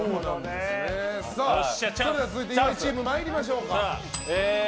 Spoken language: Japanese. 続いて岩井チーム参りましょうか。